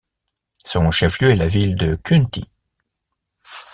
Son chef-lieu est la ville de Khunti.